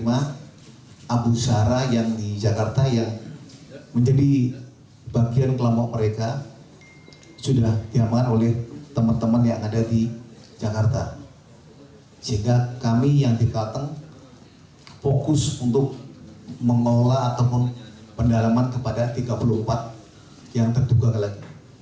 memelola atau memendalaman kepada tiga puluh empat yang terduga kelar